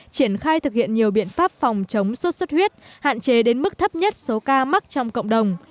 triển khai thực hiện nhiều biện pháp phòng chống sốt xuất huyết hạn chế đến mức thấp nhất số ca mắc trong cộng đồng